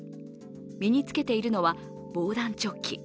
身につけているのは防弾チョッキ。